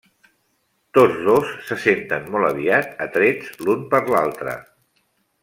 Tots dos se senten molt aviat atrets l'un per l'altre.